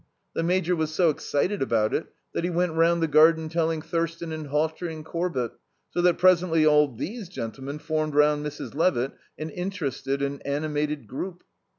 The Major was so excited about it that he went round the garden telling Thurston and Hawtrey and Corbett, so that presently all these gentlemen formed round Mrs. Levitt an interested and animated group.